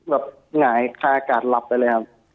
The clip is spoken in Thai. หงายคาอากาศหลับไปเลยครับ